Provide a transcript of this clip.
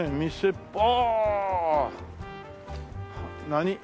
何？